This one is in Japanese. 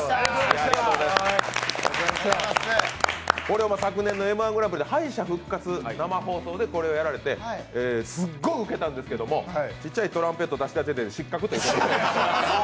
これ昨年の「Ｍ−１グランプリ」の敗者復活でこれをやられてすっごいウケたんですけれども、ちっちゃいトランペット出した時点で失格と。